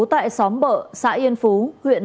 tại xóm bợ xã yên phú huyện